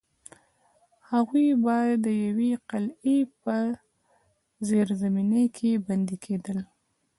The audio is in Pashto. هغوی به د یوې قلعې په زیرزمینۍ کې بندي کېدل.